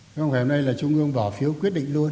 không phải hôm nay trung ương bỏ phiếu quyết định luôn